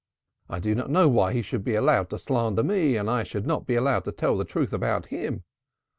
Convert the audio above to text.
I do not know why he should be allowed to slander me and I not be allowed to tell the truth about him.